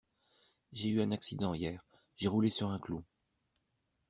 J'ai eu un accident hier, j'ai roulé sur un clou.